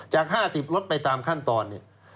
จาก๕๐ลดไปตามขั้นตอน